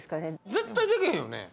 絶対でけへんよね。